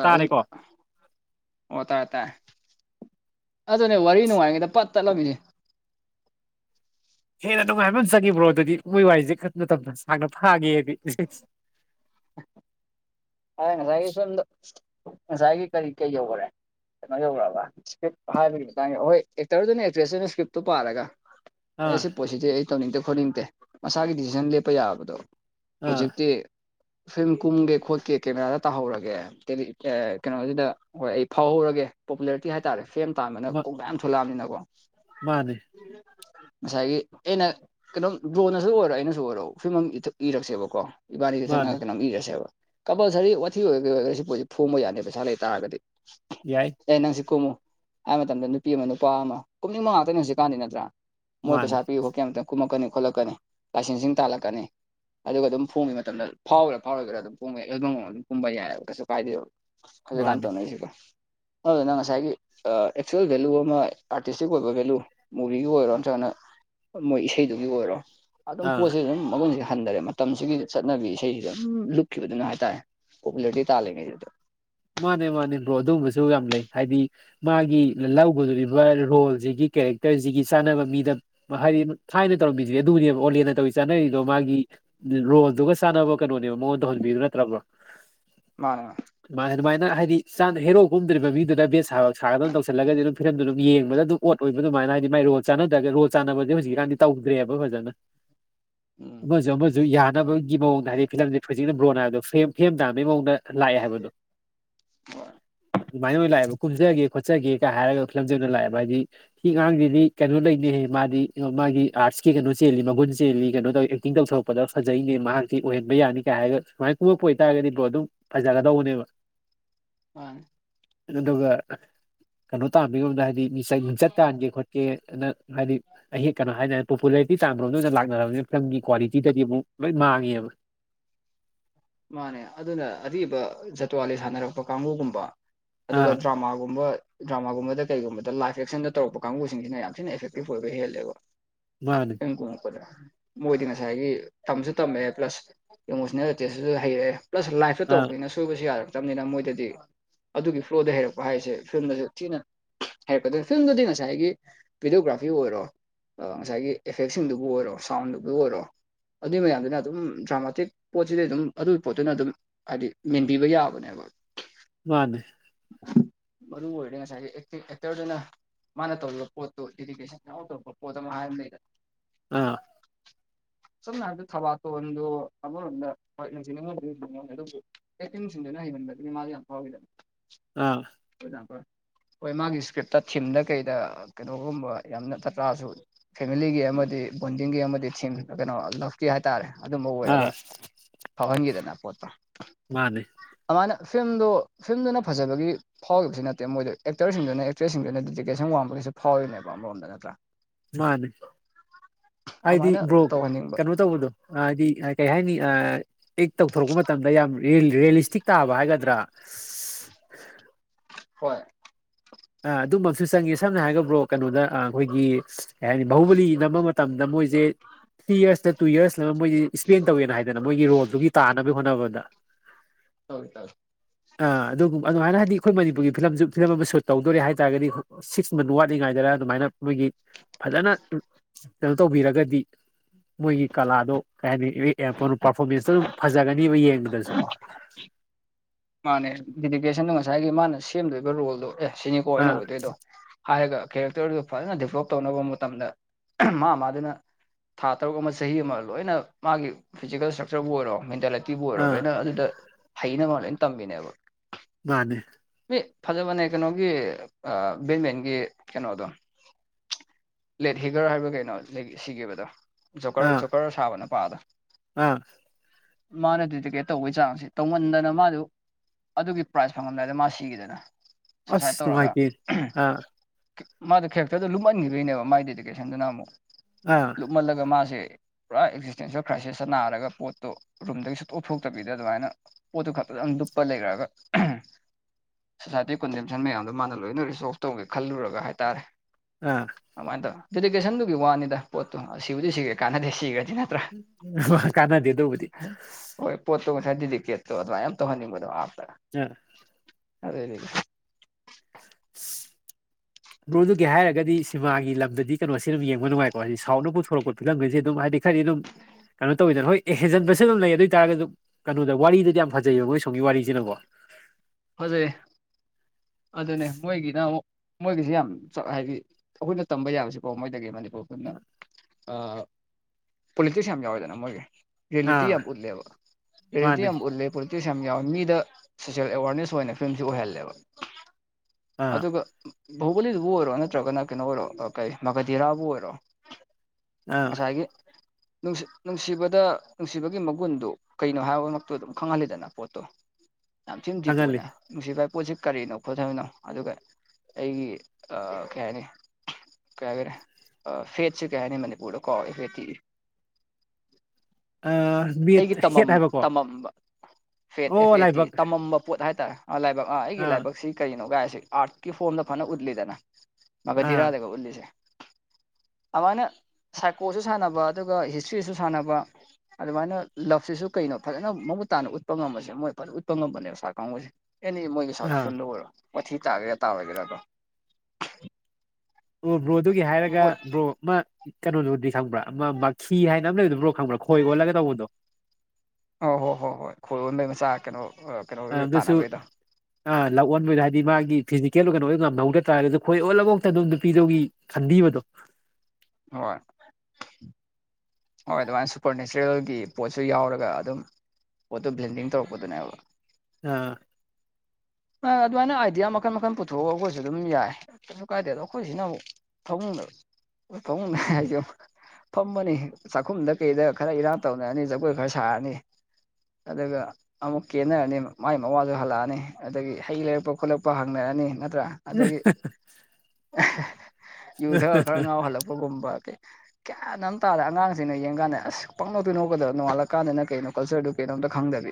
ꯑ ꯑꯩ ꯇꯥꯔꯦꯀꯣ ꯑꯣ ꯇꯥꯔꯦ ꯇꯥꯔꯦ ꯑꯗꯨꯅꯦ ꯋꯥꯔꯤ ꯅꯨꯡꯉꯥꯏꯔꯤꯉꯩꯗ ꯄꯠ ꯇꯠꯂꯃꯤꯅꯦ ꯍꯦꯟꯅ ꯅꯨꯡꯉꯥꯏꯕ ꯑꯃ ꯆꯪꯉꯤ ꯕ꯭ꯔꯣ ꯑꯗꯨꯗꯤ ꯃꯣꯏ ꯋꯥꯔꯤꯁꯦ ꯈꯇꯥꯪ ꯃꯇꯝ ꯁꯥꯡꯅ ꯐꯥꯒꯦꯗꯤ ꯉꯁꯥꯏꯒꯤ ꯐꯤꯜꯝꯗꯨ ꯉꯁꯥꯏꯒꯤ ꯀꯔꯤ ꯀꯩ ꯌꯧꯈꯔꯦ ꯀꯩꯅꯣ ꯌꯧꯈ꯭ꯔꯕ ꯏꯁꯀ꯭ꯔꯤꯞ ꯍꯥꯏꯕꯒꯤ ꯃꯇꯥꯡꯗ ꯍꯣꯏ ꯑꯦꯛꯇꯔꯗꯨꯅ ꯑꯦꯛꯇ꯭ꯔꯦꯁꯇꯨꯅ ꯏꯁꯀ꯭ꯔꯤꯞꯇꯨ ꯄꯥꯔꯥꯒ ꯑꯦ ꯑꯥ ꯁꯤ ꯄꯣꯠꯁꯤꯗꯤ ꯑꯩ ꯇꯧꯅꯤꯡꯗꯦ ꯈꯣꯠꯅꯤꯡꯗꯦ ꯃꯁꯥꯒꯤ ꯗꯤꯁꯤꯖꯟ ꯂꯦꯞꯄ ꯌꯥꯕꯗꯣ ꯑꯥ ꯍꯧꯖꯤꯛꯇꯤ ꯐꯤꯂꯝ ꯀꯨꯝꯒꯦ ꯈꯣꯠꯀꯦ ꯀꯦꯃꯦꯔꯥꯗ ꯇꯥꯍꯧꯔꯒꯦ ꯀꯦꯂꯤ ꯑ ꯀꯩꯅꯣꯁꯤꯗ ꯍꯣꯏ ꯑꯩ ꯐꯥꯎꯍꯧꯔꯒꯦ ꯄꯣꯄꯨꯂꯔꯤꯇꯤ ꯍꯥꯏꯇꯔꯦ ꯐꯦꯝ ꯇꯥꯟꯕꯅ ꯀꯣꯡꯒꯥꯏ ꯑꯝ ꯊꯣꯂꯛꯑꯕꯅꯤꯅꯀꯣ ꯃꯥꯅꯦ ꯉꯁꯥꯏꯒꯤ ꯑꯩꯅ ꯀꯩꯅꯣꯝ ꯗ꯭ꯔꯣꯅꯁꯨ ꯑꯣꯏꯔꯣ ꯑꯩꯅꯁꯨ ꯑꯣꯏꯔꯣ ꯐꯤꯜꯝ ꯑꯃꯥ ꯏꯔꯛꯁꯦꯕꯀꯣ ꯏꯕꯥꯅꯤꯁꯦ ꯃꯥꯅꯦ ꯆꯪꯉꯒ ꯀꯩꯅꯣꯝ ꯏꯔꯁꯦꯕ ꯀꯝꯄꯜꯁꯔꯤ ꯋꯥꯊꯤ ꯑꯣꯏꯔꯒ ꯑꯣꯏꯒꯦꯔꯥ ꯁꯤ ꯄꯣꯠꯁꯤ ꯐꯣꯡꯕ ꯌꯥꯅꯤ ꯄꯩꯁꯥ ꯂꯩꯇꯥꯥꯔꯒꯗꯤ ꯌꯥꯏ ꯑꯦ ꯅꯪꯁꯤ ꯀꯨꯝꯃꯨ ꯍꯥꯏꯕ ꯃꯇꯝꯗ ꯅꯨꯄꯤ ꯑꯃ ꯅꯨꯄꯥ ꯑꯃ ꯀꯨꯝꯅꯤꯡꯕ ꯉꯥꯛꯇꯅꯤ ꯍꯧꯖꯤꯛ ꯀꯥꯟꯗꯤ ꯅꯠꯇ꯭ꯔꯥ ꯃꯣꯏ ꯃꯥꯅꯦ ꯄꯩꯁꯥ ꯄꯤꯒꯦ ꯈꯣꯠꯀꯦ ꯍꯥꯏꯕ ꯃꯥꯇꯝ ꯀꯨꯝꯃꯛꯛꯀꯅꯤ ꯈꯣꯠꯂꯛꯀꯅꯤ ꯀꯨꯝꯃꯛꯅꯤ ꯈꯣꯠꯂꯀꯅꯤ ꯂꯥꯏꯁꯦꯟꯁꯁꯤꯡ ꯇꯥꯜꯂꯛꯀꯅꯤ ꯑꯗꯨꯒ ꯑꯗꯨꯝ ꯐꯣꯡꯒꯤ ꯃꯇꯝꯗ ꯐꯥꯎꯒꯦꯔꯥ ꯐꯥꯎꯔꯣꯏꯒꯦꯔꯥ ꯑꯗꯨꯝ ꯀꯨꯝꯃꯦ ꯑꯥꯜꯕꯨꯝ ꯑꯃ ꯑꯗꯨꯝ ꯀꯨꯝꯕ ꯌꯥꯏꯑꯦꯕ ꯀꯩꯁꯨ ꯀꯥꯏꯗꯦꯕ ꯍꯧꯖꯤꯛꯀꯥꯟ ꯃꯥꯅꯦ ꯇꯧꯅꯩꯁꯤꯀꯣ ꯑꯗꯨꯗꯨꯅ ꯉꯁꯥꯏꯒꯤ ꯑꯦꯛꯆꯨꯋꯦꯜ ꯚꯦꯂꯨ ꯑꯃ ꯑꯥꯔꯇꯤꯁꯇꯤꯛ ꯑꯣꯏꯕ ꯚꯦꯂꯨ ꯃꯨꯕꯤꯒꯤ ꯑꯣꯏꯔꯣ ꯅꯠꯇ꯭ꯔꯒꯅ ꯃꯣꯏ ꯏꯁꯩꯗꯨꯒꯤ ꯑꯣꯏꯔꯣ ꯑꯗꯨꯝ ꯑꯥ ꯄꯣꯠꯁꯦ ꯑꯗꯨꯝ ꯃꯒꯨꯟꯁꯦ ꯍꯟꯊꯔꯦ ꯃꯇꯝꯁꯤꯒꯤ ꯆꯠꯅꯕꯤ ꯏꯁꯩꯁꯤꯗ ꯂꯨꯞ ꯈꯤꯕꯗꯨꯅ ꯍꯥꯏꯇꯥꯔꯦ ꯄꯣꯄꯨꯂꯔꯤꯇꯤ ꯇꯥꯜꯂꯤꯉꯩꯗꯨꯗ ꯃꯅꯦ ꯃꯅꯦ ꯕ꯭ꯔꯣ ꯑꯗꯨꯒꯨꯝꯕꯁꯨ ꯌꯥꯝ ꯂꯩ ꯍꯥꯏꯗꯤ ꯃꯥꯒꯤ ꯂꯧꯒꯗꯧꯔꯤꯕ ꯔꯣꯜꯁꯤꯒꯤ ꯀꯦꯔꯦꯛꯇꯔꯁꯤꯒꯤ ꯆꯥꯅꯕ ꯃꯤꯗ ꯍꯥꯏꯗꯤ ꯊꯥꯏꯅ ꯇꯧꯔꯝꯃꯤꯁꯦ ꯑꯗꯨꯅꯦꯕ ꯑꯣꯂꯦꯟꯅ ꯇꯧꯔꯤ ꯆꯠꯅꯔꯤꯗꯣ ꯃꯥꯒꯤ ꯔꯣꯜꯗꯨꯒ ꯆꯥꯟꯅꯕ ꯀꯩꯅꯣꯅꯦꯕ ꯃꯉꯣꯟ ꯇꯧꯍꯟꯕꯤꯗꯨ ꯅꯠꯇ꯭ꯔꯥꯕ ꯕꯔꯣ ꯃꯥꯅꯦ ꯃꯅꯦ ꯑꯗꯨꯃꯥꯏꯅ ꯍꯥꯏꯗꯤ ꯆꯥꯟꯅ ꯍꯦꯔꯣ ꯀꯨꯝꯗꯧꯔꯤꯕ ꯃꯤꯗꯨꯗ ꯕꯦꯗ ꯁꯥ ꯁꯥꯒꯗꯕꯅꯤ ꯇꯧꯁꯤꯜꯂꯒꯗꯤ ꯐꯤꯂꯝꯗꯨ ꯑꯗꯨꯝ ꯌꯦꯡꯕꯗ ꯑꯗꯨꯝ ꯑꯣꯗ ꯑꯣꯏꯕ ꯑꯗꯨꯃꯥꯏꯅ ꯍꯥꯏꯗꯤ ꯃꯥꯏ ꯔꯣꯜ ꯆꯥꯟꯅꯗ꯭ꯔꯒ ꯔꯣꯜ ꯆꯥꯟꯅꯕꯗꯤ ꯍꯧꯖꯤꯛꯀꯥꯟꯗꯤ ꯇꯧꯗ꯭ꯔꯦꯕ ꯐꯖꯅ [inaudible] ꯑꯃꯖꯨ ꯑꯃꯖꯨ ꯌꯥꯅꯕꯒꯤ ꯃꯑꯣꯡꯗ ꯍꯥꯏꯗꯤ ꯐꯤꯂꯝꯁꯦ ꯐꯖꯤꯛꯅ ꯕ꯭ꯔꯣꯅ ꯍꯥꯏꯕꯗꯣ ꯐ꯭ꯔꯦꯝ ꯐ꯭ꯔꯦꯝ ꯇꯥꯟꯕꯩ ꯃꯑꯣꯡꯗ ꯂꯥꯛꯑꯦ ꯍꯥꯏꯕꯗꯣ [inaudible] ꯑꯗꯨꯃꯥꯏꯅ ꯑꯣꯏꯅ ꯂꯥꯛꯑꯦꯕ ꯀꯨꯝꯖꯒꯦ ꯈꯣꯠꯆꯒꯦꯒ ꯍꯥꯏꯔꯒ ꯐꯤꯂꯝꯖꯦ ꯑꯣꯏꯅ ꯂꯥꯛꯑꯦꯕ ꯍꯥꯏꯗꯤ ꯁꯤ ꯑꯉꯥꯡꯁꯤꯗꯤ ꯀꯩꯅꯣ ꯂꯩꯅꯦꯍꯦ ꯃꯥꯗꯤ ꯃꯥꯒꯤ ꯑꯥꯔꯠꯁꯀꯤ ꯀꯩꯅꯣ ꯆꯦꯜꯂꯤ ꯃꯒꯨꯟ ꯆꯦꯜꯂꯤ ꯀꯩꯅꯣ ꯇꯧꯏ ꯑꯦꯛꯇꯤꯡ ꯇꯧꯊꯣꯔꯛꯄ ꯄꯗ ꯐꯖꯩꯅꯦ ꯃꯍꯥꯛꯇꯤ ꯑꯣꯏꯍꯟꯕ ꯌꯥꯅꯤ ꯀꯥꯏ ꯍꯥꯏꯔꯒ ꯁꯨꯃꯥꯏꯅ ꯀꯨꯝꯉꯛꯄ ꯑꯣꯏꯇꯥꯔꯒꯗꯤ ꯑꯗꯨꯝ ꯐꯖꯒꯗꯧꯕꯅꯦꯕ ꯃꯥꯅꯦ ꯑꯗꯨꯗꯨꯒ ꯀꯩꯅꯣ ꯇꯥꯟꯕꯩꯔꯣꯝꯗ ꯍꯥꯏꯗꯤ ꯃꯤꯡꯆꯠ ꯃꯤꯡꯆꯠ ꯇꯥꯟꯒꯦ ꯈꯣꯠꯀꯦ ꯑꯅ ꯍꯥꯏꯗꯤ ꯑꯩꯍꯤꯛ ꯀꯩꯅꯣ ꯍꯥꯏꯇꯥꯏꯅꯦ ꯄꯣꯄꯨꯂꯔꯤꯇꯤ ꯇꯥꯥꯟꯕꯔꯣꯝꯗ ꯑꯣꯏꯅ ꯂꯥꯛꯅꯔꯕꯅꯤꯅ ꯐꯤꯂꯝꯒꯤ ꯀ꯭ꯋꯥꯂꯤꯇꯤꯗꯗꯤ ꯑꯃꯨꯛ ꯂꯣꯏ ꯃꯥꯡꯉꯦꯕ ꯃꯥꯅꯦ ꯑꯗꯨꯅ ꯑ꯭ꯔꯤꯕ ꯖꯥꯇ꯭ꯋꯥꯂꯤ ꯁꯥꯟꯅꯔꯛꯄ ꯀꯥꯡꯕꯨꯒꯨꯝꯕ ꯑꯗꯨꯒ ꯑꯥ ꯗ꯭ꯔꯃꯥꯒꯨꯝꯕ ꯗ꯭ꯔꯃꯥꯒꯨꯝꯕꯗ ꯀꯩꯒꯨꯝꯕꯗ ꯂꯥꯢꯐ ꯑꯦꯛꯁꯟꯗ ꯇꯧꯔꯛꯄ ꯀꯥꯡꯕꯨꯁꯤꯡꯁꯤꯅ ꯌꯥꯝ ꯊꯤꯅ ꯑꯦꯐꯦꯛꯇꯤꯚ ꯑꯣꯏꯕ ꯍꯦꯜꯂꯦꯕ ꯃꯥꯅꯦ [unintelligible] ꯃꯣꯏꯗꯤ ꯉꯁꯥꯏꯒꯤ ꯇꯝꯁꯨ ꯇꯝꯃꯛꯑꯦ ꯄ꯭ꯂꯁ ꯏꯃꯣꯁꯅꯦꯜ [inaudible] ꯍꯩꯔꯦ ꯄ꯭ꯂꯁ ꯂꯥꯏꯐꯇ ꯑꯥ ꯇꯧꯔꯛꯄꯅꯤꯅ ꯁꯣꯏꯕꯁꯨ ꯌꯥꯔꯛꯇꯕꯅꯤꯅ ꯃꯣꯏꯗꯗꯤ ꯑꯗꯨꯒꯤ ꯐ꯭ꯂꯣꯗ ꯍꯩꯔꯛꯄ ꯍꯥꯏꯁꯦ ꯐꯤꯂꯝꯗꯁꯨ ꯊꯤꯅ ꯍꯩꯔꯛꯀꯗꯣꯏ ꯐꯤꯂꯝꯗꯗꯤ ꯉꯁꯥꯏꯒꯤ ꯚꯤꯗꯤꯑꯣꯒ꯭ꯔꯥꯐꯤ ꯑꯣꯏꯔꯣ ꯑꯥ ꯉꯁꯥꯏꯒꯤ ꯑꯦꯐꯦꯛꯁꯤꯡꯗꯨꯕꯨ ꯑꯣꯏꯔꯣ ꯁꯥꯎꯟꯗꯨꯕꯨ ꯑꯣꯏꯔꯣ ꯑꯗꯨꯏ ꯃꯌꯥꯝꯗꯨꯅ ꯑꯗꯨꯝ ꯗ꯭ꯔꯃꯥꯇꯤꯛ ꯁꯤꯗꯤ ꯑꯗꯨꯝ ꯑꯗꯨꯒꯤ ꯄꯣꯠꯇꯨꯅ ꯑꯗꯨꯝ ꯍꯥꯏꯗꯤ ꯃꯦꯟꯕꯤꯕ ꯌꯥꯕꯅꯦꯕ ꯃꯥꯅꯦ ꯃꯔꯨ ꯑꯣꯏꯔꯦ ꯉꯁꯥꯏꯒꯤ ꯑꯦꯛꯇꯤꯡ ꯑꯦꯛꯇꯔꯗꯨꯅ ꯃꯥꯅ ꯇꯧꯔꯤꯕ ꯄꯣꯠꯇꯨ ꯏꯔꯤꯒꯦꯁꯟ ꯌꯥꯎꯗꯕ ꯄꯣꯠ ꯑꯃ ꯍꯥꯏꯕ ꯑꯃ ꯂꯩꯗ ꯑꯥ ꯁꯝꯅ ꯍꯥꯢꯕꯗ ꯊꯕꯥꯇꯣꯟꯗꯨ ꯑꯃꯔꯣꯝꯗ ꯍꯣꯏ ꯅꯨꯡꯁꯤ ꯅꯤꯉꯣꯟꯗꯗꯤ ꯅꯨꯡꯁꯤ ꯅꯨꯉꯣꯟꯅꯦ ꯑꯗꯨꯕꯨ ꯍꯦꯛꯇ ꯅꯨꯡꯁꯤꯟꯗꯨꯅ ꯍꯩꯃꯟꯕꯗꯨꯗꯤ ꯃꯥꯗꯤ ꯌꯥꯝ ꯐꯥꯎꯔꯤꯗꯣ ꯑꯥ ꯐꯣꯔ ꯑꯦꯛꯖꯥꯝꯄꯜ ꯍꯣꯏ ꯃꯥꯒꯤ ꯁꯀ꯭ꯔꯤꯞꯇ ꯊꯤꯝꯗ ꯀꯩꯗ ꯀꯩꯅꯣꯒꯨꯝꯕ ꯌꯥꯝꯅ ꯊ꯭ꯔꯥꯁꯨ ꯐꯦꯃꯤꯂꯤꯒꯤ ꯑꯃꯗꯤ ꯕꯣꯟꯗꯤꯡꯒꯤ ꯑꯃꯗꯤ ꯊꯤꯝ ꯀꯩꯅꯣ ꯂꯐꯀꯤ ꯍꯥꯏꯇꯥꯔꯦ ꯑꯗꯨꯝꯕ ꯑꯣꯏꯔꯒ ꯑꯥ ꯐꯥꯎꯍꯟꯈꯤꯗꯅ ꯄꯣꯠꯇꯣ ꯃꯥꯅꯦ ꯑꯃꯥꯢꯅ ꯐꯤꯜꯝꯗꯣ ꯐꯤꯜꯝꯗꯨꯅ ꯐꯖꯕꯒꯤ ꯐꯥꯎꯈꯤꯕꯁꯨ ꯅꯠꯇꯦ ꯃꯣꯏꯗ ꯑꯦꯛꯇꯔꯁꯤꯡꯗꯨꯅ ꯑꯦꯛꯇ꯭ꯔꯦꯁꯁꯤꯡꯗꯨꯅ ꯗꯦꯗꯤꯀꯦꯁꯟ ꯋꯥꯡꯝꯕꯒꯤꯁꯨ ꯐꯥꯎꯔꯤꯅꯦꯕ ꯑꯃꯔꯣꯝꯗ ꯅꯠꯇ꯭ꯔꯥ ꯃꯥꯅꯦ ꯍꯥꯏꯗꯤ ꯑꯗꯨꯃꯥꯏꯅ ꯕ꯭ꯔꯣ ꯇꯧꯍꯟꯅꯤꯡꯕ ꯀꯩꯅꯣ ꯇꯧꯕꯗꯣ ꯑꯗꯤ ꯀꯩ ꯍꯥꯏꯅꯤ ꯑꯥ ꯑꯦꯛ ꯇꯧꯊꯣꯔꯛꯄ ꯃꯇꯝꯗ ꯌꯥꯝ ꯔꯦ ꯔ꯭ꯌꯦꯜꯂꯤꯁꯇꯤꯛ ꯇꯥꯕ ꯍꯥꯏꯒꯗ꯭ꯔꯥ ꯍꯣꯏ ꯑꯥ ꯑꯗꯨꯃꯛꯁꯨ ꯆꯪꯏ ꯁꯝꯅ ꯍꯥꯏꯔꯒ ꯕ꯭ꯔꯣ ꯀꯩꯅꯣꯗ ꯑꯥ ꯑꯩꯈꯣꯏꯒꯤ ꯀꯩ ꯍꯥꯏꯅꯤ ꯕꯥꯍꯨꯕꯂꯤ ꯅꯝꯕ ꯃꯇꯝꯗ ꯃꯣꯏꯁꯦ ꯊ꯭ꯔꯤ ꯌꯔꯁꯇ ꯇꯨ ꯌꯔꯁ ꯂ ꯃꯣꯏꯗꯤ ꯁ꯭ꯄꯦꯟ ꯇꯧꯋꯦꯅ ꯍꯥꯏꯗꯅ ꯃꯣꯏꯒꯤ ꯔꯣꯜꯗꯨꯒꯤ ꯇꯥꯟꯅꯕ ꯍꯣꯠꯅꯕꯗ [unintelligible] ꯑꯥ ꯑꯗꯨꯒꯨꯝ ꯑꯗꯨꯃꯥꯏꯅ ꯍꯥꯏꯗꯤ ꯑꯩꯈꯣꯏ ꯃꯅꯤꯄꯨꯔꯒꯤ ꯐꯤꯂꯝꯁꯨ ꯐꯤꯂꯝ ꯑꯃ ꯁꯨꯠ ꯇꯧꯗꯣꯔꯦ ꯍꯥꯏꯇꯥꯔꯒꯗꯤ ꯁꯤꯛꯁ ꯃꯟ ꯋꯥꯠꯂꯤꯉꯥꯏꯗꯔ ꯑꯗꯨꯃꯥꯏꯅ ꯃꯣꯏꯒꯤ ꯐꯖꯅ ꯀꯩꯅꯣ ꯇꯧꯕꯤꯔꯒꯗꯤ ꯃꯣꯏꯒꯤ ꯀꯥꯂꯥꯗꯣ ꯀꯩ ꯍꯥꯏꯅꯤ [unintelligible] ꯄꯥꯔꯐꯣꯔꯃꯦꯟꯁꯇꯣ ꯑꯗꯨꯝ ꯐꯖꯒꯅꯤꯕ ꯌꯦꯡꯕꯗꯁꯨ ꯃꯥꯅꯦ ꯗꯤꯗꯤꯀꯦꯁꯟꯗ ꯉꯁꯥꯏꯒꯤ ꯃꯥꯅ ꯁꯦꯝꯗꯣꯏꯕ ꯔꯣꯜꯗꯣ ꯑꯦ ꯁꯤꯅꯤꯀꯣ ꯑꯩꯅ ꯑꯥ ꯑꯣꯏꯗꯣꯏꯗꯣ ꯍꯥꯏꯔꯒ ꯀꯦꯔꯦꯛꯇꯔꯗꯨ ꯐꯖꯅ ꯗꯤꯕ꯭ꯂꯣꯐ ꯇꯧꯅꯕ ꯃꯇꯝꯗ ꯃꯥ ꯃꯥꯗꯨꯅ ꯊꯥ ꯇꯔꯨꯛ ꯑꯃ ꯆꯍꯤ ꯑꯃ ꯂꯣꯏꯅ ꯃꯥꯒꯤ ꯐꯤꯖꯤꯀꯦꯜ ꯁꯇ꯭ꯔꯛꯆꯔꯕꯨ ꯑꯣꯏꯔꯣ ꯃꯦꯟꯇꯦꯂꯦꯟ ꯀꯤꯕꯨ ꯑꯣꯏꯔꯣ ꯑꯥ ꯂꯣꯏꯅ ꯑꯗꯨꯗ ꯍꯩꯅꯕ ꯂꯣꯏꯅ ꯇꯝꯕꯤꯅꯦꯕ ꯃꯥꯅꯦ ꯃꯤ ꯐꯖꯕꯅꯦ ꯀꯩꯅꯣꯒꯤ ꯑꯥ ꯕꯦꯟꯃꯦꯟꯒꯤ ꯀꯩꯅꯣꯗꯣ ꯂꯦꯠ ꯍꯤꯒꯔ ꯍꯥꯏꯕꯔꯥ ꯀꯩꯅꯣ ꯁꯤꯒꯤꯕꯗꯣ ꯖꯣꯀꯔ ꯖꯣꯀꯔ ꯁꯥꯕ ꯅꯨꯄꯥꯗꯣ ꯍꯥ ꯃꯥꯅ ꯗꯤꯗꯤꯀꯦꯠ ꯇꯧꯕꯩ ꯆꯥꯡꯁꯦ ꯇꯧꯃꯟꯗꯅ ꯃꯥꯗꯨ ꯑꯗꯨꯒꯤ ꯄ꯭ꯔꯥꯏꯖ ꯐꯪꯉꯝꯗꯥꯏꯗ ꯃꯥ ꯁꯤꯈꯤꯗꯅ ꯑꯁ ꯁꯨꯁꯥꯏꯠ ꯇꯧꯔꯒ ꯅꯨꯡꯉꯥꯏꯇꯦ ꯑꯥ ꯃꯥꯗ ꯈꯦꯔꯦꯛꯇꯔꯗꯣ ꯂꯨꯄꯀꯟꯈꯤꯗꯣꯏꯅꯦꯕ ꯃꯥꯏ ꯗꯦꯗꯤꯀꯦꯁꯟꯗꯨꯅ ꯑꯃꯨꯛ ꯑꯥ ꯇꯨꯝꯃꯜꯂꯒ ꯃꯥꯁꯦ ꯄꯨꯔꯥ ꯑꯦꯛꯖꯤꯁꯇꯦꯟꯁꯦꯜ ꯈ꯭ꯔꯥꯏꯁꯤꯁꯇ ꯅꯥꯔꯒ ꯄꯣꯠꯇꯣ ꯔꯨꯝꯗꯒꯤ ꯁꯨꯛꯇꯣꯛ ꯊꯣꯛꯇꯕꯤꯗ ꯑꯗꯨꯃꯥꯏꯅ ꯄꯣꯠꯇꯨ ꯈꯛꯇꯗꯡ ꯂꯨꯞꯄꯥ ꯂꯩꯒꯔꯒ ꯁꯣꯁꯥꯏꯇꯤ ꯀꯣꯟꯗꯦꯝꯁꯟ ꯃꯌꯥꯝꯗꯣ ꯃꯥꯅ ꯂꯣꯏꯅ ꯔꯤꯁꯣꯜꯐ ꯇꯧꯒꯦ ꯈꯜꯂꯨꯔꯒ ꯍꯥꯏꯇꯥꯔꯦ ꯑꯥ ꯑꯗꯨꯃꯥꯏꯅ ꯇꯧ ꯗꯦꯗꯤꯀꯦꯁꯟꯗꯨꯒꯤ ꯋꯥꯅꯤꯗ ꯄꯣꯠꯇꯣ ꯑꯥ ꯁꯤꯕꯨꯗꯤ ꯁꯤꯒ꯭ꯔꯦ ꯀꯥꯟꯅꯗꯦ ꯁꯤꯈ꯭ꯔꯗꯤꯅ ꯋꯥ ꯀꯥꯅꯗꯦ ꯑꯗꯨꯕꯨꯗꯤ ꯍꯣꯏ ꯄꯣꯠꯇꯣ ꯉꯁꯥꯏ ꯗꯤꯗꯤꯀꯦꯠꯇꯣ ꯑꯗꯨꯃꯥꯏꯅ ꯌꯥꯝ ꯇꯧꯍꯟꯅꯤꯡꯕꯗꯣ ꯍꯥꯞꯇ [unintelligible] [unintelligible] [unintelligible] ꯕꯔꯣ ꯑꯗꯨꯒꯤ ꯍꯥꯏꯔꯒꯗꯤ ꯁꯤꯃꯥꯒꯤ ꯂꯝꯗꯗꯤ ꯀꯩꯅꯣꯁꯤ ꯑꯗꯨꯝ ꯌꯦꯡꯕ ꯅꯨꯡꯉꯥꯏꯀꯣ ꯍꯥꯏꯗꯤ ꯁꯥꯎꯠꯅ ꯄꯨꯊꯣꯔꯛꯄ ꯐꯤꯂꯝꯒꯩꯁꯦ ꯑꯗꯨꯝ ꯍꯥꯏꯗꯤ ꯈꯔꯗꯤ ꯑꯗꯨꯝ ꯀꯩꯅꯣ ꯇꯧꯋꯤꯗꯅ ꯍꯣꯏ ꯍꯦꯟꯖꯟꯕꯁꯨ ꯑꯗꯨꯝ ꯂꯩ ꯑꯗꯣꯏ ꯇꯥꯥꯔꯒꯁꯨ ꯀꯩꯅꯣꯗ ꯋꯥꯔꯤꯗꯗꯤ ꯌꯥꯝ ꯐꯖꯩꯌꯦꯕ ꯃꯣꯏ ꯑꯁꯣꯝꯒꯤ ꯋꯥꯔꯤꯁꯤꯅꯀꯣ ꯐꯖꯩ ꯑꯗꯨꯅꯦ ꯃꯣꯏꯒꯤꯅ ꯑꯃꯨꯛ ꯃꯣꯏꯒꯤꯁꯤ ꯌꯥꯝ ꯆ ꯍꯥꯏꯗꯤ ꯑꯈꯣꯏꯅ ꯇꯝꯕ ꯌꯥꯕꯁꯤꯀꯣ ꯃꯣꯏꯗꯒꯤ ꯃꯅꯤ ꯑꯥ ꯄꯣꯂꯤꯇꯤꯁ ꯌꯥꯝ ꯌꯥꯎꯋꯦꯗꯅ ꯃꯣꯏꯒꯤ ꯔꯤꯌꯦꯂꯤꯇꯤ ꯑꯥ ꯌꯥꯝ ꯎꯠꯂꯦꯕ ꯔꯤꯌꯦꯂꯤꯇꯤ ꯃꯥꯅꯦ ꯌꯥꯝ ꯎꯠꯂꯦ ꯄꯣꯂꯤꯇꯤꯛꯁ ꯌꯥꯝ ꯌꯥꯎꯋꯦ ꯃꯤꯗ ꯁꯣꯁꯦꯜ ꯑꯦꯋꯥꯔꯅꯦꯁ ꯐꯤꯂꯝꯁꯤ ꯑꯣꯏꯍꯜꯂꯦꯕ ꯑꯥ ꯑꯗꯨꯒ ꯚꯍꯨꯕꯂꯤꯗꯕꯨ ꯑꯣꯏꯔꯣ ꯅꯠꯇ꯭ꯔꯒꯅ ꯀꯩꯅꯣ ꯑꯣꯏꯔꯣ ꯑꯥ ꯀꯩ ꯃꯥꯚꯥꯙꯤꯔꯥꯕꯨ ꯑꯣꯏꯔꯣ ꯑꯥ ꯉꯁꯥꯏꯒꯤ ꯅꯨꯡꯁꯤꯕꯗ ꯅꯨꯡꯁꯤꯕꯒꯤ ꯃꯒꯨꯟꯗꯨ ꯀꯩꯅꯣ ꯍꯥꯏꯕꯃꯛꯇꯨ ꯑꯗꯨꯝ ꯈꯪꯍꯜꯂꯤꯗꯅ ꯄꯣꯠꯇꯣ ꯌꯥꯝ ꯊꯤꯅ ꯗꯤꯞ ꯈꯪꯍꯜꯂꯤ ꯑꯣꯏꯅ ꯅꯨꯡꯁꯤꯚꯥꯏ ꯄꯣꯠꯁꯤ ꯀꯔꯤꯅꯣ ꯈꯣꯊꯃꯤꯅꯣ ꯑꯗꯨꯒ ꯑꯩꯒꯤ ꯀꯩ ꯍꯥꯏꯅꯤ ꯀꯩ ꯍꯥꯏꯒꯔꯦ ꯐꯦꯠꯁꯤ ꯀꯩ ꯍꯥꯏꯅꯤ ꯃꯅꯤꯄꯨꯔꯗ ꯀꯥꯎꯔꯦ ꯐꯦꯠꯇꯤ ꯑꯥ ꯃꯤꯠ ꯑꯩꯒꯤ ꯇꯃꯝ ꯍꯦꯠ ꯍꯥꯏꯕꯀꯣ ꯇꯃꯝꯕ ꯐꯦꯠ ꯑꯣ ꯑꯐ ꯑꯦ ꯇꯤ ꯂꯥꯏꯕꯛ ꯇꯃꯝꯕ ꯄꯣꯠ ꯍꯥꯏꯇꯥꯔꯦ ꯑꯥ ꯂꯥꯏꯕꯛ ꯑꯩꯒꯤ ꯑꯥ ꯂꯥꯏꯕꯛꯁꯤ ꯀꯩꯅꯣ ꯀꯥꯏꯁꯤ ꯑꯥꯔꯠꯀꯤ ꯐꯣꯝꯗ ꯐꯅ ꯎꯠꯂꯤꯗꯅ ꯑꯥ ꯃꯥꯘꯥꯙꯤꯔꯥꯗꯒ ꯎꯠꯂꯤꯁꯦ ꯑꯗꯨꯃꯥꯏꯅ ꯁꯥꯏꯀꯣꯁꯨ ꯁꯥꯟꯅꯕ ꯑꯗꯨꯒ ꯍꯤꯁꯇ꯭ꯔꯤꯁꯨ ꯁꯥꯟꯅꯕ ꯑꯗꯨꯃꯥꯏꯅ ꯂꯞꯁꯤꯁꯨ ꯀꯩꯅꯣ ꯐꯖꯅ ꯃꯃꯨꯠ ꯇꯥꯅ ꯎꯠꯄ ꯉꯝꯕꯁꯦ ꯃꯣꯏ ꯐꯖꯅ ꯎꯠꯄ ꯉꯝꯕꯅꯦꯕ ꯑꯦꯅꯤ ꯃꯣꯏꯒꯤ ꯑꯥ ꯁꯖꯁꯟ ꯂꯧ ꯑꯣꯏꯔꯣ ꯋꯥꯊꯤ ꯇꯥꯒꯦꯔꯥ ꯇꯥꯔꯣꯏꯒꯦꯔꯥꯗꯣ ꯑꯣ ꯕ꯭ꯔꯣꯗꯨꯒꯤ ꯍꯥꯏꯔꯒ ꯃꯣꯏ ꯕ꯭ꯔꯣ ꯑꯃ ꯀꯩꯅꯣꯗꯨꯗꯤ ꯈꯪꯕ꯭ꯔꯥ ꯑꯃ ꯃꯥꯈꯤ ꯍꯥꯏꯅ ꯑꯃ ꯂꯩꯕꯗꯨ ꯕ꯭ꯔꯣ ꯈꯪꯕ꯭ꯔꯥ ꯈꯣꯏ ꯑꯣꯜꯂꯒ ꯇꯧꯕꯗꯣ ꯑꯥꯎ ꯑꯥꯎ ꯍꯣꯏ ꯍꯣꯏ ꯍꯣꯏ ꯈꯣꯏꯔꯣꯟꯗꯩ ꯃꯆꯥ ꯀꯩꯅꯣ ꯀꯩꯅꯣꯒꯤ ꯑꯒꯁꯨ ꯇꯥꯟꯅꯕꯩꯗꯣ ꯑ ꯂꯧ ꯑꯣꯟꯕꯩꯗꯣ ꯍꯥꯏꯗꯤ ꯃꯥꯒꯤ ꯐꯤꯖꯤꯀꯦꯜꯗꯣ ꯀꯩꯅꯣꯒꯤ ꯉꯝꯃꯧꯗ ꯇꯥꯔꯦ ꯑꯗꯨ ꯈꯣꯏ ꯑꯣꯜꯂꯕꯧꯇ ꯗꯨꯝ ꯅꯨꯄꯤꯗꯨꯒꯤ ꯈꯟꯕꯤꯕꯗꯣ ꯍꯣꯏ ꯑꯣꯏ ꯑꯗꯨꯃꯥꯏꯟ ꯁꯨꯄꯔ ꯅꯦꯆꯔꯦꯜꯒꯤ ꯄꯣꯠꯁꯨ ꯌꯥꯎꯔꯒ ꯑꯗꯨꯝ ꯄꯣꯠꯇꯨ ꯕ꯭ꯂꯦꯟꯗꯤꯡ ꯇꯧꯔꯛꯄꯗꯨꯅꯦꯕ ꯑꯥ ꯑ ꯑꯗꯨꯃꯥꯏꯅ ꯑꯥꯏꯗꯤꯌꯥ ꯃꯈꯟ ꯃꯈꯟ ꯄꯨꯊꯣꯛꯑꯣ ꯑꯩꯈꯣꯏꯁꯨ ꯑꯗꯨꯝ ꯌꯥꯏ ꯀꯩꯁꯨ ꯀꯥꯏꯗꯦ ꯑꯗꯣ ꯑꯩꯈꯣꯏꯁꯤꯅ ꯑꯃꯨꯛ ꯐꯃꯨꯡꯗ ꯐꯃꯨꯡꯗ ꯍꯥꯏꯖꯦ ꯌꯣ ꯐꯝꯃꯅꯤ ꯆꯥꯛꯈꯨꯝꯗ ꯀꯩꯗ ꯈꯔ ꯏꯔꯥꯡ ꯇꯧꯅꯔꯅꯤ ꯖꯒꯣꯏ ꯈꯔ ꯁꯥꯔꯅꯤ ꯑꯗꯨꯒ ꯑꯃꯨꯛ ꯀꯦꯟꯅꯔꯅꯤ ꯃꯥꯏ ꯃꯋꯥꯖꯨ ꯍꯜꯂꯛꯑꯅꯤ ꯑꯗꯒꯤ ꯍꯩ ꯂꯩꯔꯛꯄ ꯈꯣꯠꯂꯛꯄ ꯍꯪꯅꯔꯅꯤ ꯅꯠꯇ꯭ꯔꯥ ꯑꯗꯒꯤ ꯌꯨꯊꯛꯔ ꯈꯔ ꯉꯥꯎꯔ ꯍꯜꯂꯛꯄꯒꯨꯝꯕ ꯀꯦ ꯒ꯭ꯌꯥꯟ ꯑꯝ ꯇꯥꯗ ꯑꯉꯥꯡꯁꯤꯡꯅ ꯌꯦꯡ ꯀꯥꯟꯅꯦ ꯑꯁ ꯄꯪꯅꯣꯛꯇ ꯅꯣꯛꯀꯗꯕ ꯅꯣꯡꯉꯥꯜꯂꯀꯥꯟꯗꯅ ꯀꯩꯅꯣ ꯀꯜꯆꯔꯗꯨ ꯀꯩꯅꯣ ꯑꯝꯇ ꯈꯪꯗꯕꯤ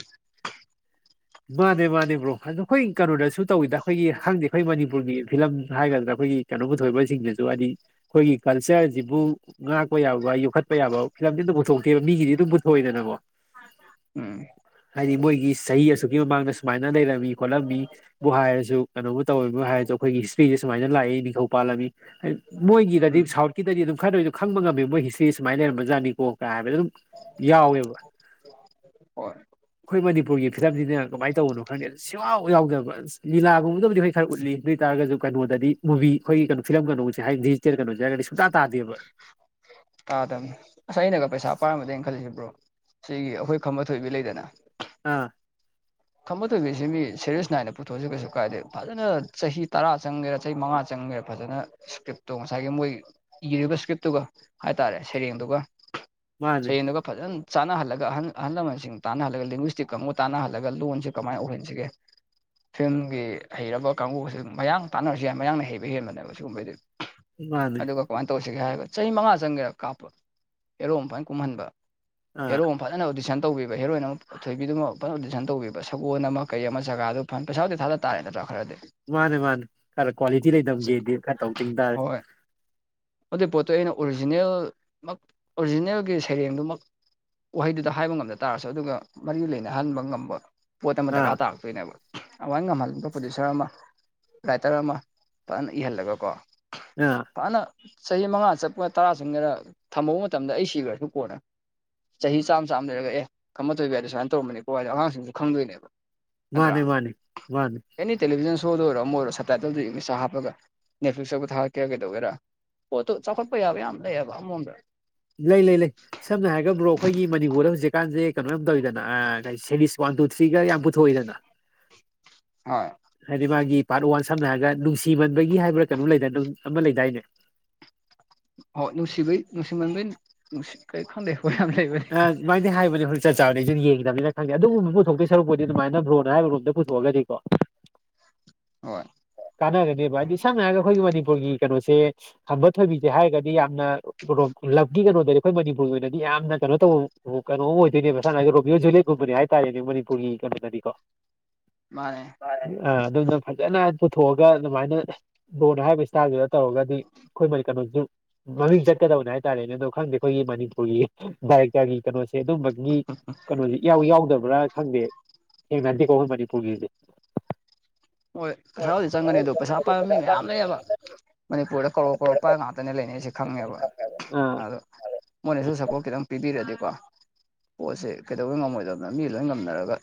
ꯃꯥꯅꯦ ꯃꯥꯅꯦ ꯕ꯭ꯔꯣ ꯑꯗꯣ ꯑꯩꯈꯣꯏ ꯀꯩꯅꯣꯗꯁꯨ ꯇꯧꯋꯤꯗ ꯑꯩꯈꯣꯏꯒꯤ ꯍꯪꯗꯦ ꯑꯩꯈꯣꯏ ꯃꯅꯤꯄꯨꯔꯒꯤ ꯐꯤꯂꯝ ꯍꯥꯏꯒꯗ꯭ꯔꯥ ꯑꯩꯈꯣꯏꯒꯤ ꯀꯩꯅꯣ ꯄꯨꯊꯣꯛꯏꯕꯖꯤꯡꯗꯖꯨ ꯍꯥꯏꯗꯤ ꯑꯩꯈꯣꯏꯒꯤ ꯀꯜꯆꯔꯖꯤꯕꯨ ꯉꯥꯛꯄ ꯌꯥꯕ ꯌꯣꯛꯈꯠꯄ ꯌꯥꯕ ꯐꯤꯂꯝꯗꯤ ꯑꯝꯇ ꯄꯨꯊꯣꯛꯇꯦꯕ ꯃꯤꯒꯤꯗꯤ ꯑꯗꯨꯝ ꯄꯨꯊꯣꯛꯏꯗꯅꯒꯣ ꯊꯥꯖ ꯎꯝ ꯍꯥꯏꯗꯤ ꯃꯣꯏꯒꯤ ꯆꯍꯤ ꯑꯁꯨꯛꯀꯤ ꯃꯃꯥꯡꯗ ꯁꯨꯃꯥꯏꯅ ꯂꯩꯔꯝꯃꯤ ꯈꯣꯠꯂꯝꯃꯤ ꯕꯨ ꯍꯥꯏꯔꯁꯨ ꯀꯩꯅꯣꯕꯨ ꯇꯧꯋꯤꯕꯨ ꯍꯥꯏꯔꯁꯨ ꯑꯩꯈꯣꯏꯒꯤ ꯍꯤꯁꯇ꯭ꯔꯤꯖꯤ ꯁꯨꯃꯥꯏꯅ ꯂꯥꯛꯏ ꯅꯤꯡꯊꯧ ꯄꯥꯜꯂꯝꯃꯤ ꯃꯣꯏꯒꯤꯗꯗꯤ ꯎꯝ ꯁꯥꯎꯠꯀꯤꯗꯗꯤ ꯑꯗꯨꯝ ꯈꯔꯗ ꯑꯣꯏꯖꯨ ꯈꯪꯕ ꯉꯝꯃꯤ ꯃꯣꯏ ꯍꯤꯁꯇ꯭ꯔꯤ ꯁꯨꯃꯥꯏꯅ ꯂꯩꯔꯝꯕꯖꯠꯅꯤꯀꯣ ꯀ ꯍꯥꯏꯕꯗ ꯑꯗꯨꯝ ꯌꯥꯎꯋꯦꯕ ꯍꯣꯏ ꯑꯩꯈꯣꯏ ꯃꯅꯤꯄꯨꯔꯒꯤ ꯐꯤꯂꯝꯖꯤꯅ ꯀꯃꯥꯏꯟ ꯇꯧꯕꯅꯣ ꯈꯪꯗꯦ ꯁꯨꯌꯥꯎ ꯌꯥꯎꯗꯕ ꯑꯁ ꯂꯤꯂꯥꯒꯨꯝꯕꯗꯕꯨꯗꯤ ꯈꯣꯏ ꯈꯔ ꯎꯠꯂꯤ ꯑꯗꯨ ꯑꯣꯏꯇꯥꯔꯒꯁꯨ ꯀꯩꯅꯣꯗꯗꯤ ꯃꯨꯚꯤ ꯑꯩꯈꯣꯏꯒꯤ ꯀꯩꯅꯣ ꯐꯤꯂꯝ ꯀꯩꯅꯣꯁꯦ ꯍꯥꯏꯗꯤ ꯗꯤꯖꯤꯇꯦꯜ ꯀꯩꯅꯣꯖꯦ ꯍꯥꯏꯔꯒꯗꯤ ꯁꯨꯡꯇꯥ ꯇꯥꯗꯦꯕ ꯇꯥꯗꯕꯅꯤ ꯑꯁ ꯑꯩꯅꯒ ꯄꯩꯁꯥ ꯄꯥꯔꯝꯃꯗꯤ ꯑꯩ ꯈꯜꯂꯤꯖꯦ ꯕ꯭ꯔꯣ ꯁꯤꯒꯤ ꯑꯩꯈꯣꯏ ꯈꯝꯕ ꯊꯣꯏꯕꯤ ꯂꯩꯗꯅ ꯑꯥ ꯈꯝꯕ ꯇꯣꯏꯕꯤꯁꯤ ꯃꯤ ꯁꯦꯔꯤꯌꯁ ꯅꯥꯏꯅ ꯄꯨꯊꯣꯛꯑꯁꯨ ꯀꯩꯁꯨ ꯀꯥꯏꯗꯦ ꯐꯖꯅ ꯆꯍꯤ ꯇꯔꯥ ꯆꯪꯒꯦꯔꯥ ꯆꯍꯤ ꯃꯉꯥ ꯆꯪꯒꯦꯔ ꯐꯖꯅ ꯏꯁꯀ꯭ꯔꯤꯞꯇꯣ ꯉꯁꯥꯏꯒꯤ ꯃꯣꯏ ꯏꯔꯤꯕ ꯏꯁꯀ꯭ꯔꯤꯞꯇꯨꯒ ꯍꯥꯏꯇꯥꯔꯦ ꯁꯩꯔꯦꯡꯗꯨꯒ ꯃꯥꯅꯦ ꯁꯩꯌꯦꯟꯗꯨꯒ ꯐꯖꯟ ꯆꯥꯟꯅꯍꯜꯂꯒ ꯑꯍꯜ ꯑꯍꯜ ꯂꯃꯟꯁꯤꯡ ꯇꯥꯟꯅꯍꯜꯂꯒ ꯂꯦꯡꯒꯨꯏꯁꯇꯤꯛ ꯀꯥꯡꯒꯨ ꯇꯥꯟꯅꯍꯜꯂꯒ ꯒ ꯂꯣꯟꯁꯦ ꯀꯃꯥꯏ ꯑꯣꯏꯍꯟꯁꯤꯒꯦ ꯐꯤꯔꯝꯒꯤ ꯍꯩꯔꯕ ꯀꯥꯡꯕꯨꯁꯤꯡ ꯃꯌꯥꯡ ꯇꯥꯟꯅꯔꯁꯨ ꯌꯥꯏ ꯃꯌꯥꯡꯅ ꯍꯩꯕ ꯍꯦꯟꯕꯅꯦꯕ ꯁꯤꯒꯨꯝꯕꯩꯗꯤ ꯃꯥꯅꯦ ꯀꯃꯥꯏꯟ ꯇꯧꯁꯤꯒꯦ ꯍꯥꯏꯔꯒ ꯆꯍꯤ ꯃꯉꯥ ꯆꯪꯒꯦꯔ ꯀꯥꯞꯄ ꯍꯦꯔꯣ ꯑꯝ ꯐꯖꯟ ꯀꯨꯝꯍꯟꯕ ꯑꯥ ꯍꯦꯔꯣꯝ ꯐꯖꯅ ꯑꯣꯗꯤꯁꯟ ꯇꯧꯕꯤꯕ ꯍꯦꯔꯣꯏꯟ ꯑꯃ ꯄꯨ ꯊꯣꯏꯕꯤꯗꯨꯃ ꯐꯖꯅ ꯑꯣꯗꯤꯁꯟ ꯇꯧꯕꯤꯕ ꯁꯒꯣꯜ ꯑꯃ ꯀꯔꯤ ꯑꯃ ꯖꯒꯥꯗꯨ ꯐꯟ ꯄꯩꯁꯥꯕꯨꯗꯤ ꯊꯥꯗ ꯇꯥꯔꯦ ꯅꯠꯇ꯭ꯔꯥ ꯈꯔꯗꯤ ꯃꯥꯅꯦ ꯃꯥꯅꯦ ꯈꯔ ꯀ꯭ꯋꯥꯂꯤꯇꯤ ꯂꯩꯗꯝꯒꯦꯗꯤ ꯈꯔ ꯇꯧ ꯇꯤꯡ ꯇꯥꯔꯦ ꯍꯣꯏ ꯑꯗꯨꯏ ꯄꯣꯠꯇꯨ ꯑꯩꯅ ꯑꯣꯔꯤꯖꯤꯅꯦꯜꯃꯛ ꯑꯣꯔꯤꯖꯤꯅꯦꯜꯒꯤ ꯁꯩꯔꯦꯡꯗꯨꯃꯛ ꯋꯥꯍꯩꯗꯨꯗ ꯍꯥꯏꯕ ꯉꯝꯗ ꯇꯥꯔꯁꯨ ꯑꯗꯨꯒ ꯃꯔꯤ ꯂꯩꯅꯍꯟꯕ ꯉꯝꯕ ꯄꯣꯠ ꯑꯃ ꯑꯥ ꯗꯔꯀꯥꯔ ꯇꯥꯔꯛꯇꯣꯏꯅꯦꯕ ꯑꯃꯥꯏꯟ ꯉꯝꯍꯟꯕ ꯄ꯭ꯔꯣꯗꯨꯁꯔ ꯑꯃ ꯔꯥꯏꯇꯔ ꯑꯃ ꯐꯟ ꯏꯍꯜꯂꯒꯀꯣ ꯑ ꯐꯅ ꯆꯍꯤ ꯃꯉꯥ ꯆꯠꯄ ꯇꯔꯥ ꯆꯪꯒꯦꯔ ꯊꯝꯍꯧ ꯃꯇꯝꯗ ꯑꯩ ꯁꯤꯒ꯭ꯔꯖꯨ ꯀꯣꯟꯅ ꯆꯍꯤ ꯆꯥꯝ ꯆꯥꯝ ꯂꯩꯔꯒ ꯑꯦ ꯈꯝꯕ ꯊꯣꯏꯕꯤ ꯍꯥꯏꯗꯣ ꯁꯨꯃꯥꯏꯟ ꯇꯧꯔꯝꯕꯅꯤꯀꯣ ꯍꯥꯏꯗꯤ ꯑꯉꯥꯡꯁꯤꯡꯗ ꯈꯪꯗꯣꯏꯅꯦꯕ ꯅꯠꯇ꯭ꯔꯥ ꯃꯥꯅꯦ ꯃꯥꯅꯦ ꯃꯥꯅꯦ ꯑꯦꯅꯤꯠ ꯇꯦꯂꯤꯚꯤꯟ ꯁꯣꯗ ꯑꯣꯏꯔꯣ ꯑꯃ ꯑꯣꯏꯔꯣ ꯁꯞꯇꯥꯏꯇꯜꯗꯣ ꯏꯪꯂꯤꯁꯥ ꯍꯥꯞꯄꯒ ꯅꯦꯠꯐ꯭ꯂꯤꯛꯁꯇꯕꯨ ꯊꯥꯒꯠꯀꯦꯔ ꯀꯩꯗꯧꯒꯦꯔꯥ ꯄꯣꯠꯇꯨ ꯆꯥꯎꯈꯠꯄ ꯌꯥꯕ ꯌꯥꯝ ꯂꯩꯌꯦꯕ ꯑꯃꯔꯣꯝꯗ ꯂꯩ ꯂꯩ ꯂꯩ ꯁꯝꯅ ꯍꯥꯏꯔꯒ ꯕ꯭ꯔꯣ ꯑꯩꯈꯣꯏꯒꯤ ꯃꯅꯤꯄꯨꯔꯗ ꯍꯧꯖꯤꯛꯀꯥꯟꯁꯦ ꯀꯩꯅꯣ ꯌꯥꯝ ꯇꯧꯔꯤꯗꯅ ꯑ ꯁꯦꯔꯤꯁ ꯋꯥꯟ ꯇꯨ ꯊ꯭ꯔꯤꯒ ꯌꯥꯝ ꯄꯨꯊꯣꯛꯏꯗꯅ꯫ ꯍꯣꯏ ꯍꯥꯏꯗꯤ ꯃꯥꯒꯤ ꯄꯥꯔꯠ ꯋꯥꯟ ꯁꯝꯅ ꯍꯥꯏꯔꯒ ꯅꯨꯡꯁꯤꯃꯟꯕꯒꯤ ꯍꯥꯏꯕ꯭ꯔꯥ ꯀꯩꯅꯣ ꯂꯩꯗꯥꯏ ꯑꯃ ꯂꯩꯗꯥꯏꯅꯦ꯫ ꯍꯣ ꯅꯨꯡꯁꯤꯕꯩ ꯅꯨꯡꯁꯤꯃꯟꯕꯩ ꯅꯨꯡꯁꯤ ꯀꯩꯁꯨ ꯈꯪꯗꯦ ꯋꯥꯌꯥꯝ ꯂꯩꯕꯅꯦ ꯑ ꯑꯗꯨꯃꯥꯏꯅ ꯍꯥꯏꯕꯅꯤ ꯍꯖꯤꯛ ꯆꯞ ꯆꯥꯕꯗꯤ ꯑꯩꯖꯨ ꯌꯦꯡꯒꯤꯗꯕꯅꯤꯅ ꯈꯪꯗꯦ ꯑꯗꯨꯒꯨꯝꯕ ꯄꯨꯊꯣꯛꯇꯣꯏ ꯁꯔꯨꯛꯄꯗꯤ ꯑꯗꯨꯃꯥꯏꯅ ꯕ꯭ꯔꯣꯅ ꯍꯥꯏꯕꯔꯣꯝꯗ ꯄꯨ___ ꯊꯣꯛꯑꯒꯗꯤꯀꯣ꯫ ꯍꯣꯏ ꯀꯥꯟꯅꯒꯅꯦꯕ ꯍꯥꯏꯗꯤ ꯁꯝꯅ ꯍꯥꯏꯔꯒ ꯑꯩꯈꯣꯏꯒꯤ ꯃꯅꯤꯄꯨꯔꯒꯤ ꯀꯩꯅꯣꯁꯦ ꯈꯝꯕ ꯊꯣꯏꯕꯤꯁꯦ ꯍꯥꯏꯔꯒꯗꯤ ꯌꯥꯝꯅ__ ꯂꯞꯀꯤ ꯀꯩꯅꯣꯗꯅꯤ ꯑꯩꯈꯣꯏ ꯃꯅꯤꯄꯨꯔꯒꯤ ꯑꯣꯏꯅꯗꯤ ꯌꯥꯝꯅ ꯀꯩꯅꯣ ꯇꯧꯕ ꯀꯩꯅꯣ ꯑꯃ ꯑꯣꯏꯗꯣꯏꯅꯦꯕ ꯁꯅ ꯍꯥꯏꯗꯤ ꯔꯣꯃꯤꯌꯣ ꯖꯨꯂꯦꯠꯀꯨꯝꯕꯅꯦ ꯍꯥꯏ__ ꯇꯥꯏꯅꯦ ꯃꯅꯤꯄꯨꯔꯒꯤ ꯀꯩꯅꯣꯗꯗꯤ ꯀꯣ꯫ ꯃꯥꯅꯦ ꯑ ꯑꯗꯨꯝꯅ ꯐꯖꯅ ꯄꯨꯊꯣꯛꯑꯒ ꯑꯗꯨꯃꯥꯏꯅ ꯕ꯭ꯔꯣꯅ ꯍꯥꯏꯔꯤꯕ ꯏꯁꯇꯥꯏꯜꯗꯨꯗ ꯇꯧꯔꯒꯗꯤ ꯑꯩꯈꯣꯏ ꯃꯅꯤ ꯀꯩꯅꯣꯁꯨ ꯃꯃꯤꯡ ꯆꯠꯀꯗꯕꯅꯦ ꯍꯥꯏꯇꯥꯔꯦꯅꯦ ꯑꯗꯣ ꯈꯪꯗꯦ ꯑꯩꯈꯣꯏꯒꯤ ꯃꯅꯤꯄꯨꯔꯒꯤ ꯗꯥꯏꯔꯦꯛꯇꯔꯒꯤ ꯀꯩꯅꯣꯁꯦ ꯑꯗꯨꯝꯕ___ ꯒꯤ ꯀꯩꯅꯣꯁꯦ ꯏꯌꯥꯎ ꯌꯥꯎꯗꯕ꯭ꯔꯥ ꯈꯪꯗꯦ ꯊꯦꯡꯅꯗꯦꯀꯣ ꯑꯩꯈꯣꯏ ꯃꯅꯤꯄꯨꯔꯒꯤꯗꯤ꯫ ꯍꯣꯏ ꯄꯩꯁꯥꯕꯨꯗꯤ ꯆꯪꯒꯅꯤ ꯑꯗꯣ ꯄꯩꯁꯥ ꯄꯥꯏꯕ ꯃꯤ ꯃꯌꯥꯝ ꯂꯩꯌꯦꯕ ꯃꯅꯤꯄꯨꯔꯗ ꯀꯔꯣ ꯀꯔꯣ ꯄꯥꯥꯏꯕ ꯉꯥꯛꯇꯅꯦ ꯂꯩꯅꯩꯁꯦ ꯈꯪꯉꯦꯕ ꯈꯪꯉꯦꯕ ꯑꯗꯣ ꯃꯣꯏꯅꯁꯨ ꯁꯄꯣꯔꯠ ꯈꯤꯇꯪ ꯄꯤꯕꯤꯔꯗꯤꯀꯣ ꯄꯣꯠꯁꯦ ꯀꯩꯗꯧꯕꯩ ꯉꯝꯃꯣꯏꯗꯣꯏꯅ ꯃꯤ ꯂꯣꯏ ꯉꯝꯅꯔꯒ꯫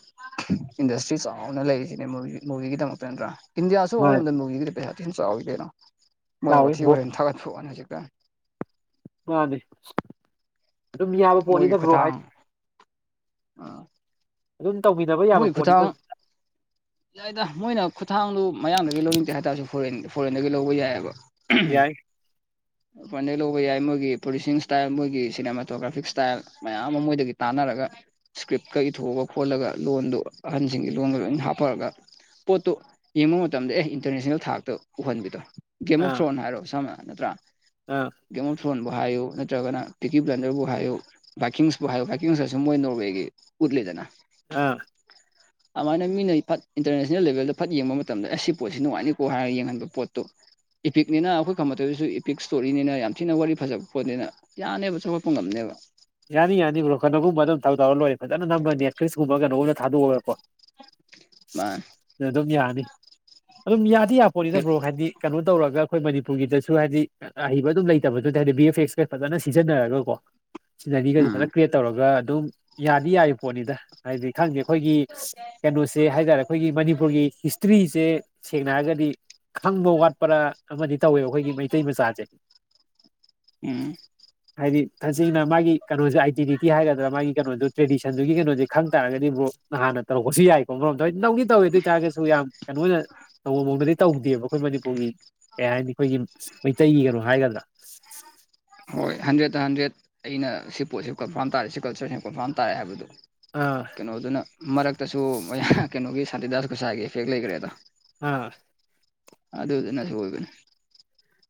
ꯏꯟꯗꯁꯇ꯭ꯔꯤ ꯆꯥꯎꯅ ꯂꯩꯁꯤꯅꯦ ꯃꯨ ꯃꯨꯚꯤꯒꯤꯗꯃꯛ꯫ [unintelligible] ꯏꯟꯗꯤꯌꯥꯁꯨ ꯃꯥꯅꯤ ꯑꯃꯔꯣꯝꯗ ꯃꯨꯚꯤꯒꯤꯗꯤ ꯄꯩꯁꯥ ꯊꯤꯅ ꯆꯥꯎꯋꯤ ꯀꯩꯅꯣ꯫ ꯃꯣꯏ ꯆꯥꯎꯋꯤ ꯋꯥꯊꯤ ꯕ꯭ꯔꯣ ꯋꯥꯔꯦꯝ ꯊꯥꯒꯠꯄꯩ ꯋꯥꯅꯤ ꯍꯧꯖꯤꯛꯇ꯫ ꯃꯥꯅꯦ ꯑꯗꯨꯝ ꯌꯥꯕ ꯃꯣꯏꯒꯤ ꯄꯣꯠꯅꯤꯗ ꯕ꯭ꯔꯣ ꯈꯨꯠꯊꯥꯡ ꯍꯥꯏꯗꯤ ꯑꯥ ꯑꯗꯨꯝ ꯇꯧꯃꯤꯅꯕ ꯌꯥꯕ ꯃꯣꯏꯒꯤ ꯄꯣꯠꯅꯤꯗ ꯈꯨꯠꯊꯥꯡ ꯌꯥꯏꯗ ꯃꯣꯏꯅ ꯈꯨꯊꯥꯡꯗꯣ ꯃꯌꯥꯡꯗꯒꯤ ꯂꯧꯅꯤꯡꯗꯦ ꯍꯥꯏꯇꯥꯔꯁꯨ ꯐꯣꯔꯦꯟ ꯐꯣꯔꯦꯟꯗꯒꯤ ꯂꯧꯕ ꯌꯥꯏꯑꯦꯕ꯫ ꯌꯥꯏ ꯃꯄꯥꯟꯗꯒꯤ ꯂꯧꯕ ꯌꯥꯏ ꯃꯣꯏꯒꯤ ꯄꯨꯂꯤꯁꯤꯡ ꯏꯁꯇꯥꯏꯜ ꯃꯣꯏꯒꯤ ꯁꯤꯅꯦꯃꯥꯇꯣꯒ꯭ꯔꯥꯐꯤꯛ ꯏꯁꯇꯥꯏꯜ ꯃꯌꯥꯝ ꯑꯃ ꯃꯣꯏꯗꯒꯤ ꯇꯥꯟꯅꯔꯒ ꯏꯁꯀ꯭ꯔꯤꯞꯀ ꯏꯊꯣꯛꯑꯒ ꯈꯣꯠꯂꯒ ꯂꯣꯟꯗꯨ ꯑꯍꯟꯁꯤꯡꯒꯤ ꯂꯣꯟꯒ ꯂꯣꯏꯅ ꯍꯥꯞꯄꯔꯒ ꯄꯣꯠꯇꯨ ꯌꯦꯡꯕ ꯃꯇꯝꯗ ꯑꯦ ꯏꯟꯇꯔꯅꯦꯁꯅꯦꯜ ꯊꯥꯛꯇ ꯎꯍꯟꯕꯤꯗꯣ꯫ ꯒꯦꯝ ꯑꯣꯐ ꯊ꯭ꯔꯣꯟ ꯍꯥꯏꯔꯣ ꯁꯝꯅ ꯅꯠꯇ꯭ꯔꯥ ꯎꯝ ꯒꯦꯝ ꯑꯣꯞ ꯊ꯭ꯔꯣꯟꯕꯨ ꯍꯥꯏꯌꯨ ꯅꯠꯇ꯭ꯔꯒꯅ ꯇꯤꯀꯤ ꯕ꯭ꯂꯟꯗꯔꯕꯨ ꯍꯥꯏꯌꯨ꯫ ꯚꯀꯤꯡꯁꯄꯨ ꯍꯥꯏꯌꯣ ꯚꯀꯤꯡꯁꯨ ꯃꯣꯏ ꯅꯣꯔꯋꯦꯒꯤ ꯎꯠꯂꯤꯗꯅ꯫ ꯑꯥ꯫ [inaudible] ꯑꯃꯥꯏꯅ ꯃꯤꯅ ꯐꯠ ꯏꯟꯇꯔꯅꯦꯁꯅꯦꯜ ꯂꯦꯚꯦꯜꯗ ꯐꯠ ꯌꯦꯡꯕ ꯃꯇꯝꯗ ꯑꯦ ꯁꯤ ꯄꯣꯠꯁꯤ ꯅꯨꯡꯉꯥꯏꯅꯤꯀꯣ ꯍꯥꯏꯔꯒ ꯌꯦꯡꯍꯟꯕ ꯄꯣꯠꯇꯨ ꯏꯐꯤꯛꯅꯤꯅ ꯑꯈꯣꯏ ꯀꯃꯇꯗꯁꯨ ꯏ ꯄꯤꯛ ꯏꯁꯇꯣꯔꯤꯅꯤꯅ ꯌꯥꯝ ꯊꯤꯅ ꯋꯥꯔꯤ ꯐꯖꯕ ꯄꯣꯠꯅꯤꯅ ꯌꯥꯅꯦꯕ ꯆꯥꯎꯈꯠꯄ ꯉꯝꯅꯦꯕ꯫ ꯌꯥꯅꯤ ꯌꯥꯅꯤ ꯕ꯭ꯔꯣ ꯀꯅꯒꯨꯝꯕ ꯑꯗꯨꯝ ꯊꯕꯛ ꯇꯧꯔ ꯂꯣꯏꯔ ꯐꯖꯅ ꯅꯝꯕ ꯅꯦꯠꯐꯂꯤꯛꯁꯀꯨꯝꯕ ꯀꯩꯅꯣꯒꯨꯝ ꯊꯥꯗꯣꯛꯑꯒ ꯀꯣ꯫ ꯃꯥꯅꯤ꯫ ꯑꯗꯨꯝ ꯌꯥꯅꯤ ꯑꯗꯨꯝ ꯌꯥꯗꯤ ꯌꯥꯄꯣꯠꯅꯤꯗ ꯕ꯭ꯔꯣ ꯍꯥꯏꯗꯤ ꯀꯩꯅꯣ ꯇꯧꯔꯒ ꯑꯩꯈꯣꯏ ꯃꯅꯤꯄꯨꯔꯒꯤꯗꯁꯨ ꯍꯥꯏꯗꯤ ꯑꯍꯩꯕ ꯑꯗꯨꯝ ꯂꯩꯇꯕꯗꯨ ꯗ ꯍꯥꯏꯗꯤ ꯕꯤ ꯑꯦꯐ ꯑꯦꯛꯁꯀ ꯐꯖꯅ ꯁꯤꯖꯤꯟꯅꯔꯒ ꯀꯣ ꯁꯤꯅꯔꯤꯒꯁꯦ ꯎꯝ ꯐꯖꯅ ꯀ꯭ꯔꯤꯌꯦꯠ ꯇꯧꯔꯒ ꯑꯗꯨꯝ ꯌꯥꯗꯤ ꯌꯥꯔꯤ ꯄꯣꯠꯅꯤꯗ ꯍꯥꯏꯗꯤ ꯈꯪꯗꯦ ꯑꯩꯈꯣꯏꯒꯤ ꯀꯩꯅꯣꯁꯦ ꯍꯥꯏꯇꯥꯔꯦ ꯑꯩꯈꯣꯏꯒꯤ ꯃꯅꯤꯄꯨꯔꯒꯤ ꯍꯤꯁꯇ꯭ꯔꯤꯁꯦ ꯁꯦꯡꯅ ꯍꯥꯢꯔꯒꯗꯤ ꯈꯪꯕ ꯋꯥꯠꯄꯔꯥ ꯑꯃꯗꯤ ꯇꯧꯋꯦꯕ ꯑꯩꯈꯣꯏꯒꯤ ꯃꯩꯇꯩ ꯃꯆꯥꯁꯦ ꯎꯝ ꯍꯥꯏꯗꯤ ꯇꯁꯦꯡꯅ ꯃꯥꯒꯤ ꯀꯩꯅꯣꯁꯦ ꯑꯥꯏꯗꯦꯟꯇꯤꯇꯤ ꯍꯥꯏꯒꯗ꯭ꯔꯥ ꯃꯥꯒꯤ ꯀꯩꯅꯣꯗꯨ ꯇ꯭ꯔꯦꯗꯤꯁꯟꯗꯨꯒꯤ ꯀꯩꯅꯣꯁꯦ ꯈꯪ ꯇꯥꯔꯒꯗꯤ ꯕ꯭ꯔꯣ ꯅꯍꯥꯟꯅ ꯇꯧꯔꯛꯄꯁꯨ ꯌꯥꯏ [unintelligible] ꯅꯧꯗꯤ ꯇꯧꯋꯤ ꯑꯗꯨꯢ ꯑꯣꯏꯇꯥꯔꯒꯁꯨ ꯌꯥꯝ ꯀꯩꯅꯣ ꯑꯣꯏꯅ ꯇꯧꯕ ꯃꯑꯣꯡꯗꯗꯤ ꯇꯧꯗꯦꯕ ꯑꯈꯣꯏ ꯃꯅꯤꯄꯨꯔꯒꯤ ꯀꯩ ꯍꯥꯏꯅꯤ ꯑꯈꯣꯏꯒꯤ ꯑꯁ ꯃꯩꯇꯩꯒꯤ ꯀꯩꯅꯣ ꯍꯥꯏꯒꯗ꯭ꯔꯥ ꯍꯣꯏ ꯍꯟꯗ꯭ꯔꯦꯗꯠꯇ ꯍꯟꯗ꯭ꯔꯦꯗ ꯑꯩꯅ ꯁꯤ ꯄꯣꯠꯁꯦ ꯀꯟꯐꯥꯝ ꯇꯥꯔꯦ ꯁꯤ ꯀꯜꯆꯔꯁꯦ ꯀꯟꯐꯥꯝ ꯇꯥꯔꯦ ꯍꯥꯏꯕꯗꯨ ꯑꯥ ꯀꯩꯅꯣꯗꯨꯅ ꯃꯔꯛꯇꯁꯨ ꯃꯌꯥꯡ ꯀꯩꯅꯣꯒꯤ ꯁꯥꯟꯇꯤꯗꯥꯁ ꯒꯣꯁꯥꯢꯒꯤ ꯏꯐꯦꯛ ꯂꯩꯒ꯭ꯔꯦꯗ ꯍꯥ ꯑꯗꯨꯗꯨꯅ ꯁꯣꯢꯕꯅꯦ